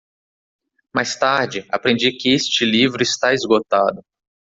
Mais tarde, aprendi que este livro está esgotado.